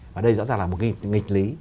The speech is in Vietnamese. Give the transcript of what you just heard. và đây rõ ràng là một nghịch lý